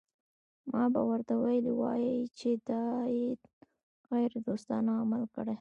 ما به ورته ویلي وای چې دا یې غیر دوستانه عمل کړی.